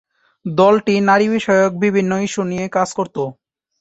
দলটি নারী বিষয়ক বিভিন্ন ইস্যু নিয়ে কাজ করত।